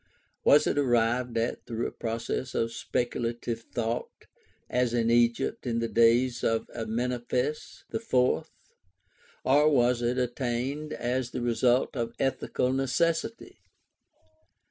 Was it arrived at through a process of speculative thought, as in Egypt in the days of Amenophis IV, or was it attained as the result of 'ethical necessity